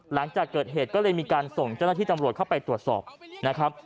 หลังจากเกิดเหตุก็เลยมีการส่งเจ้าหน้าที่ตำรวจเข้าไปตรวจสอบนะครับ